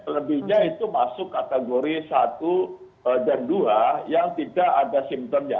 lebihnya itu masuk kategori satu dan dua yang tidak ada simptomnya